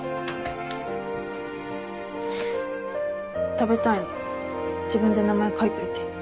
食べたいの自分で名前書いといて。